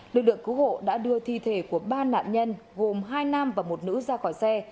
lực lượng cứu hộ đã đưa thi thể của ba nạn nhân gồm hai nam và một nữ ra khỏi xe